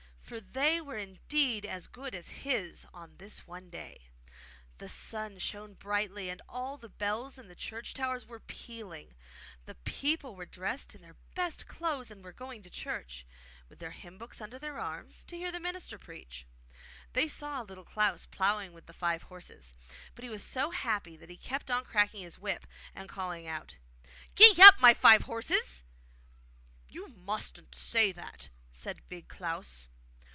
for they were indeed as good as his on this one day. The sun shone brightly, and all the bells in the church towers were pealing; the people were dressed in their best clothes, and were going to church, with their hymn books under their arms, to hear the minister preach. They saw Little Klaus ploughing with the five horses; but he was so happy that he kept on cracking his whip, and calling out 'Gee up, my five horses!' 'You mustn't say that,' said Big Klaus.